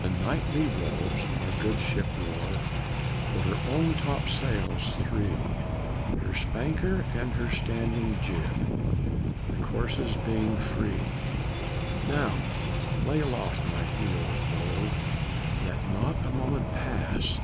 The nightly robes our good ship wore were her own top sails three, Her spanker and her standing jib the courses being free; "Now, lay aloft! my heroes bold, let not a moment pass!"